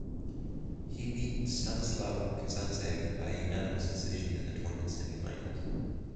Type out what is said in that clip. He beat Stanislav Kazantsev by unanimous decision in the tournament semifinals.